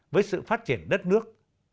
với sự phát triển đất nước